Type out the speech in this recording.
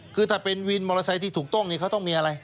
คือถ้าเป็นวินมอเตอร์ไซค์ที่ถูกต้องเขาต้องมีอะไร